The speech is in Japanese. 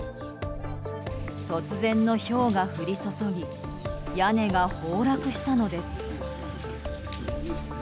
突然のひょうが降り注ぎ屋根が崩落したのです。